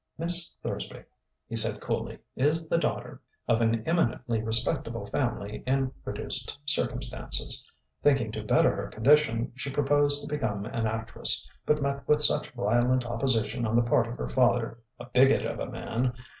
"Miss Thursby," he said coolly, "is the daughter of an eminently respectable family in reduced circumstances. Thinking to better her condition, she proposed to become an actress, but met with such violent opposition on the part of her father a bigot of a man!